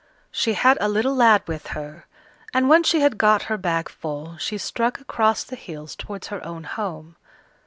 She had a little lad with her, and when she had got her bag full she struck across the hills towards her own home.